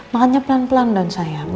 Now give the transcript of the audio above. makannya pelan pelan dong sayang